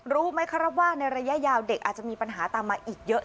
รู้ไหมครับว่าในระยะยาวเด็กอาจจะมีปัญหาตามมาอีกเยอะ